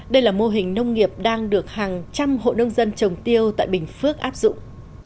đây là mô hình nông nghiệp đang được hàng trăm hộ nông dân trồng tiêu tại bình phước áp dụng